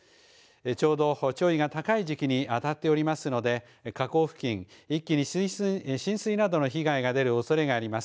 ちょうど潮位が高い時期に当たっておりますので河口付近、一気に浸水などの被害が出るおそれがあります。